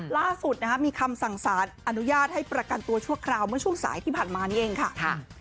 ล่าสุดมีคำสั่งสารอนุญาตให้ประกันตัวชั่วคราวเมื่อช่วงสายที่ผ่านมานี่เองค่ะ